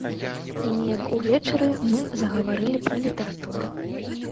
І неяк увечары мы загаварылі пра літаратуру.